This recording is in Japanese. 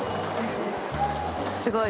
すごい。